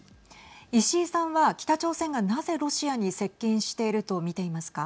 石井さんは北朝鮮が、なぜロシアに接近していると見ていますか。